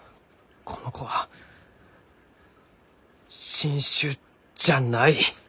この子は新種じゃない。